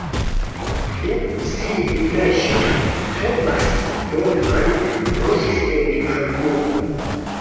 Dum sia junaĝo Thomas Bormann loĝis en Hamburgo.